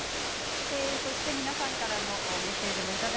皆さんからのメッセージです。